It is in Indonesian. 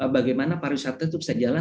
bagaimana pariwisata itu bisa jalan